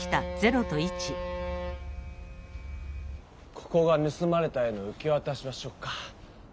ここがぬすまれた絵の受けわたし場所か。